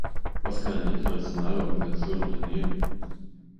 Was kann eine internationale Organisation unternehmen?